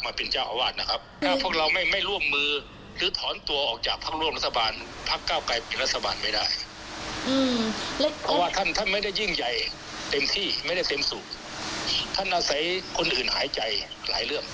เมื่อกี้ไม่ได้เจมสุท่านอาศัยคนอื่นหายใจหลายเรื่อง